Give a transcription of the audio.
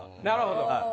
なるほど。